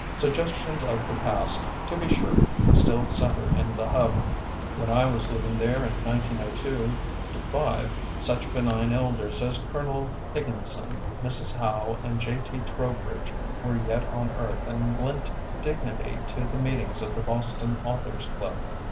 Suggestions of the past, to be sure, still centre in the Hub. When I was living there in 1902 5, such benign elders as Colonel Higgin son, Mrs. Howe, and J. T. Trowbridge were yet on earth and lent dignity to the meetings of the Boston Authors' Club.